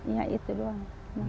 ya itu doang